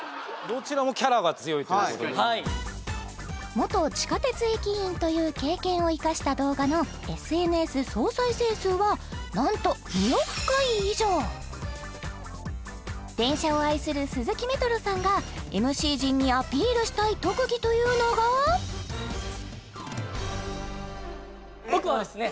かわいい元地下鉄駅員という経験を生かした動画のＳＮＳ総再生数はなんと２億回以上電車を愛する鈴木メトロさんがＭＣ陣にアピールしたい特技というのが僕はですね